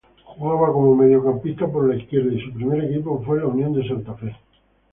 Jugaba como mediocampista por izquierda y su primer equipo fue Unión de Santa Fe.